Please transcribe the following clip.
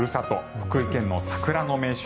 福井県の桜の名所